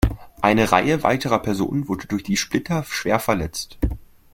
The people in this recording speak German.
Eine Reihe weiterer Personen wurde durch die Splitter schwer verletzt.